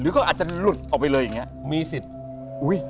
หรืออาจจะหลุดออกไปเลยอย่างเนี่ย